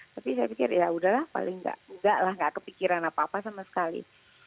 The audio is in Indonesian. tapi saya pikir yaudahlah paling nggak lah nggak kepikiran apa apa sama sekali